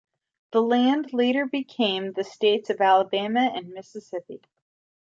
The land later became the states of Alabama and Mississippi.